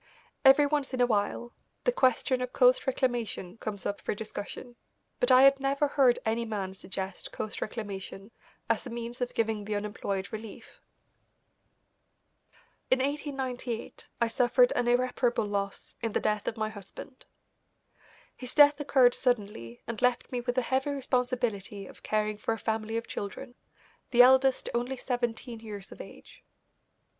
Every once in a while the question of coast reclamation comes up for discussion, but I had never heard any man suggest coast reclamation as a means of giving the unemployed relief. In 1898 I suffered an irreparable loss in the death of my husband. His death occurred suddenly and left me with the heavy responsibility of caring for a family of children, the eldest only seventeen years of age.